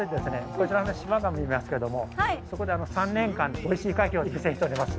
こちらに島が見えますけれどもそこで３年間おいしい牡蠣を育成しております。